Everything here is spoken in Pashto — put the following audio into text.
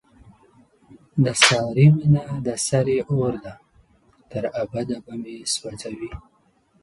د سارې مینه د سرې اورده، تر ابده به مې سو ځوي.